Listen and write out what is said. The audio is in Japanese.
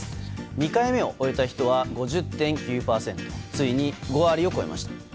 ２回目を終えた人は５０．９％とついに５割を超えました。